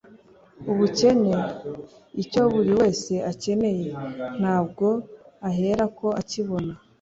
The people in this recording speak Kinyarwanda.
ubukene… Icyo buri wese akeneye ntabwo aherako akibona